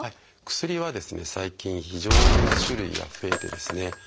薬は最近非常に種類が増えてですね